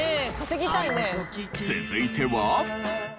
続いては。